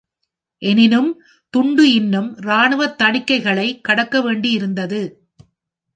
எனினும், துண்டு இன்னும் இராணுவ தணிக்கைகளை கடக்க வேண்டியிருந்தது.